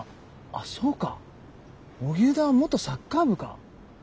あっそうか荻生田は元サッカー部か。